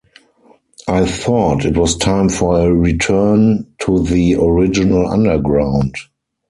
I thought it was time for a return to the original underground.